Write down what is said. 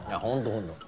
本当。